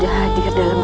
tidak ada kesalahan